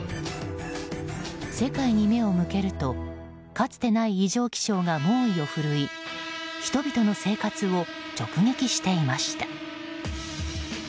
世界に目を向けるとかつてない異常気象が猛威を振るい人々の生活を直撃していました。